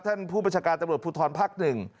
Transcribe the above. ท่านผู้ประชาการตำรวจภูทรภักดิ์๑